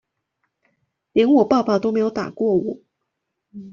連我爸爸都沒有打過我